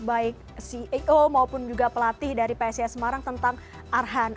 baik ceo maupun juga pelatih dari psis semarang tentang arhan